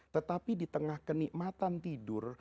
tetapi di tengah kenikmatan tidur